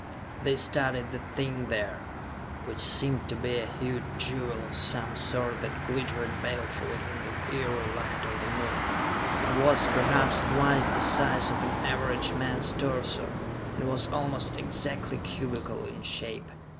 They studied the thing there, which seemed to be a huge jewel of some sort that glittered balefully in the eery light of the Moon. It was, perhaps, twice the size of an average man's torso, and was almost exactly cubical in shape.